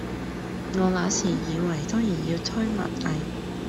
我那時以爲當然要推文藝，